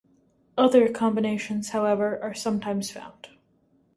Other combinations, however, are sometimes found.